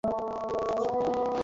তাহলে কারণটা কী?